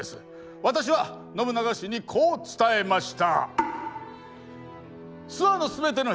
私は信長氏にこう伝えました。